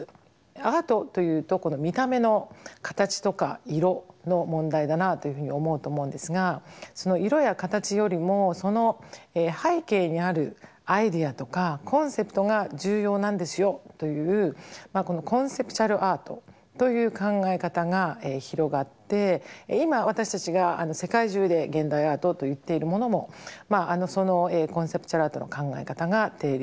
アートというとこの見た目の形とか色の問題だなというふうに思うと思うんですがその色や形よりもその背景にあるアイデアとかコンセプトが重要なんですよというコンセプチャルアートという考え方が広がって今私たちが世界中で現代アートと言っているものもそのコンセプチャルアートの考え方が底流にあります。